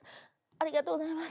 ありがとうございます。